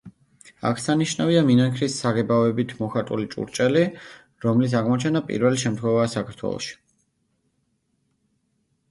აღსანიშნავია მინანქრის საღებავებით მოხატული ჭურჭელი, რომლის აღმოჩენა პირველი შემთხვევაა საქართველოში.